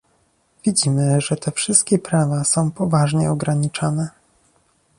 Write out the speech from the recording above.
Widzimy, że te wszystkie prawa są poważnie ograniczane